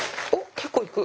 結構いく。